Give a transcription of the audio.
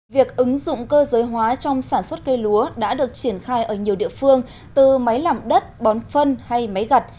việc ứng dụng cơ giới hóa trong sản xuất cây lúa đã được triển khai ở nhiều địa phương từ máy làm đất bón phân hay máy gặt